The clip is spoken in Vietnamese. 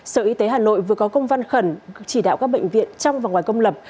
sở y tế hà nội vừa có công văn khẩn chỉ đạo các bệnh viện trong và ngoài công lập